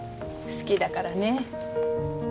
好きだからねぇ。